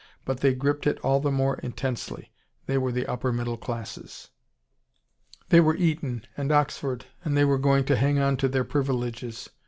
But they gripped it all the more intensely. They were the upper middle classes. They were Eton and Oxford. And they were going to hang on to their privileges.